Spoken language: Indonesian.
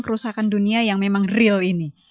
kerusakan dunia yang memang real ini